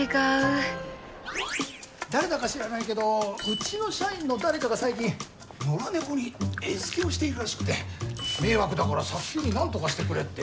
誰だか知らないけどうちの社員の誰かが最近野良猫に餌付けをしているらしくて迷惑だから早急になんとかしてくれって近隣の人が。